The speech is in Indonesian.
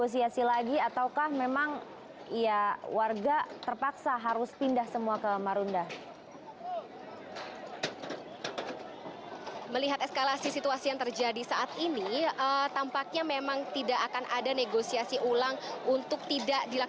saya juga berhasil mengasumkan bahwa ini memang berupakan tindakan penggusuran